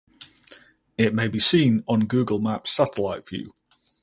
It may be seen on Google maps satellite view.